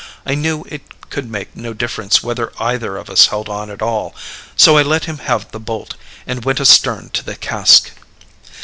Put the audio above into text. I knew it could make no difference whether either of us held on at all; so I let him have the bolt, and went astern to the cask.